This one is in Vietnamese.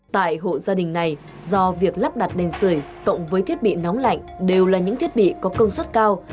tại hộ gia đình này do việc lắp đặt đèn sửa cộng với thiết bị nóng lạnh đều là những thiết bị có công suất cao